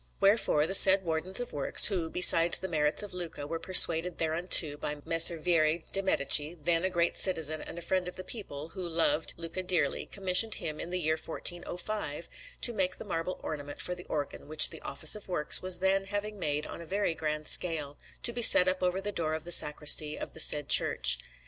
Wherefore the said Wardens of Works who, besides the merits of Luca, were persuaded thereunto by Messer Vieri de' Medici, then a great citizen and a friend of the people, who loved Luca dearly commissioned him, in the year 1405, to make the marble ornament for the organ which the Office of Works was then having made on a very grand scale, to be set up over the door of the sacristy of the said church.